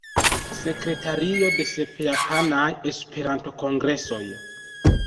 Sekretario de sep Japanaj Esperanto-kongresoj.